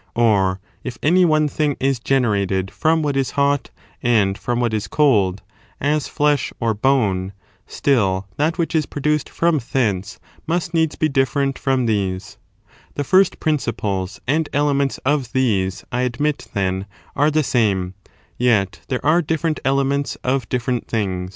Or, if any one thing is generated from what is hot and from what is cold, as flesh or bone, still that which is produced from thence must needs be different from these. The first principles and elements of these, I admit, then, b^ the same, yet there are different elements of different things ;* I have added these words to complete the sense.